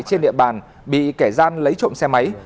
trên địa bàn bị kẻ gian lấy trộm xe máy